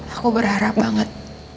aku berharap banget